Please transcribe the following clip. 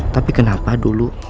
tapi kenapa dulu